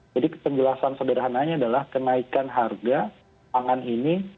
jadi penjelasan sederhananya adalah kenaikan harga pangan ini